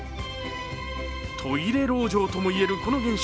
トイレ籠城ともいえるこの現象。